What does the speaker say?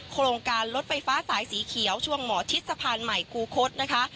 โครงการรถไฟฟ้าสายสีเขียวช่วงหมอชิดสะพานใหม่คูคศนะคะ